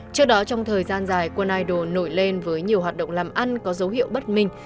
trước đó trong thời gian dài quân idol nổi lên với nhiều hoạt động làm ăn có dấu hiệu bất minh